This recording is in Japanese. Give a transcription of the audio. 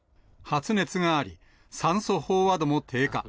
発熱があり、酸素飽和度も低下。